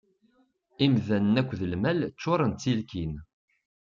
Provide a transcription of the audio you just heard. Imdanen akked lmal ččuṛen d tilkin.